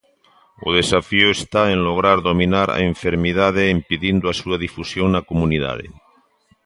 O desafío está en lograr dominar a enfermidade impedindo a súa difusión na comunidade.